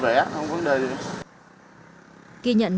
không vẻ không vấn đề gì